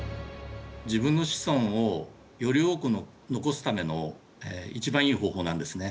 自分の子孫をより多く残すための一番いい方法なんですね。